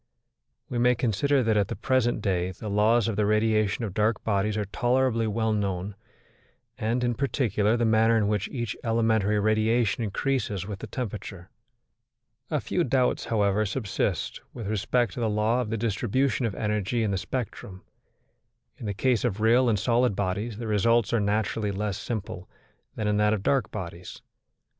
We may consider that at the present day the laws of the radiation of dark bodies are tolerably well known, and, in particular, the manner in which each elementary radiation increases with the temperature. A few doubts, however, subsist with respect to the law of the distribution of energy in the spectrum. In the case of real and solid bodies the results are naturally less simple than in that of dark bodies.